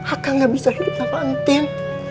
akan gak bisa hidup tanpa tin